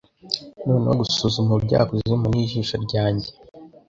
Noneho gusuzuma ubujyakuzimu nijisho ryanjye